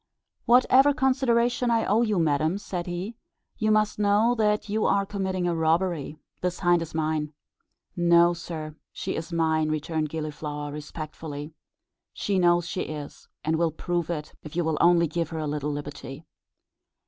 "Whatever consideration I owe you, madam," said he, "you must know that you are committing a robbery; this hind is mine." "No, sir, she is mine," returned Gilliflower, respectfully. "She knows she is, and will prove it if you will only give her a little liberty.